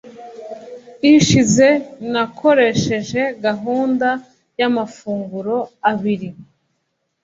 ishize nakoresheje gahunda yamafunguro abiri